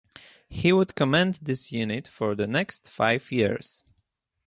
He would command this unit for the next five years.